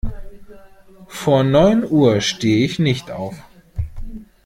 Vor neun Uhr stehe ich nicht auf.